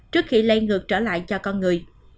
trước khi lây ngược trở lại cho con người